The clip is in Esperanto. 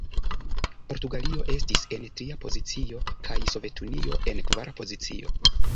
Portugalio estis en tria pozicio, kaj Sovetunio en kvara pozicio.